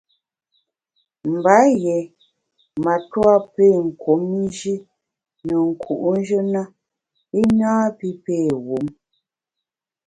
Mba yié matua pé kum Nji ne nku’njù na i napi pé wum.